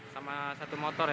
sama satu motor ya